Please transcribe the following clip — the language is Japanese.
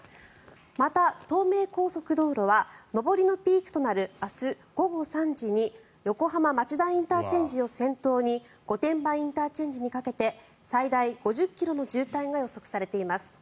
また、東名高速道路は上りのピークとなる明日午後３時に横浜町田ＩＣを先頭に御殿場ＩＣにかけて最大５０ｋｍの渋滞が予測されています。